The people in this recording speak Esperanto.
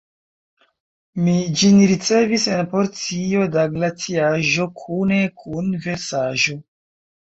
Mi ĝin ricevis en porcio da glaciaĵo kune kun versaĵo.